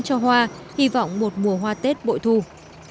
cho các người dân địa phương